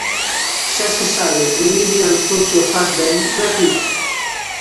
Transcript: Xa se sabe, en Vimianzo, se o fas ben, repites!